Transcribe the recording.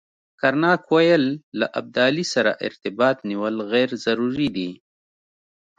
کرناک ویل له ابدالي سره ارتباط نیول غیر ضروري دي.